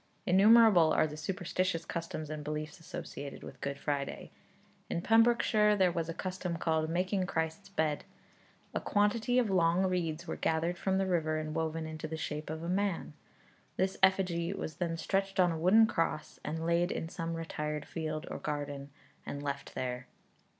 Innumerable are the superstitious customs and beliefs associated with Good Friday. In Pembrokeshire there was a custom called 'making Christ's bed.' A quantity of long reeds were gathered from the river and woven into the shape of a man. This effigy was then stretched on a wooden cross, and laid in some retired field or garden, and left there.